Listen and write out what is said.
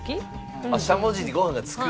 しゃもじにご飯がつく。